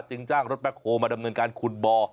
จึงจ้างรถแพ็คโครมาดำเนินการคุดบ่อ